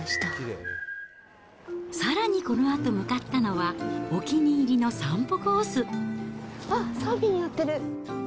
さらにこのあと向かったのは、あっ、サーフィンやってる。